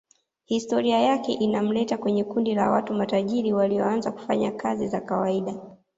Historia yake inamleta kwenye kundi la watu matajiri walioanza kufanya kazi za kawaida